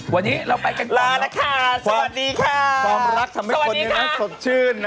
วันนี้เราไปกันก่อนแล้วนะครับสวัสดีค่ะสวัสดีค่ะสวัสดีครับความรักทำให้คนนี้สดชื่นนะ